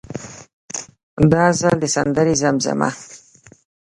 دا ځل د سندرې زمزمه.